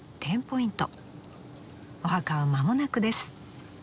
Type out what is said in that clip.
お墓は間もなくです。